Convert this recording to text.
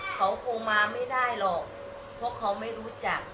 เขาคงมาไม่ได้หรอกเพราะเขาไม่รู้จัก